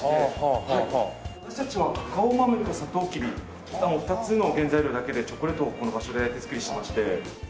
私たちはカカオ豆とサトウキビ２つの原材料だけでチョコレートをこの場所で手作りしていまして。